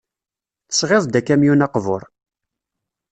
Tesɣiḍ-d akamyun aqbur.